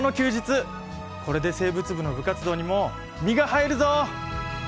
これで生物部の部活動にも身が入るぞ！